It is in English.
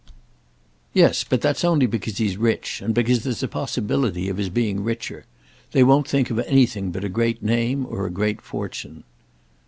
"Yes, but that's only because he's rich and because there's a possibility of his being richer. They won't think of anything but a great name or a great fortune."